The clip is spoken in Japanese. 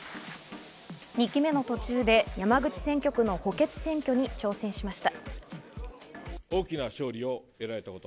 ２期目の途中で山口選挙区の補欠選挙に挑戦しました。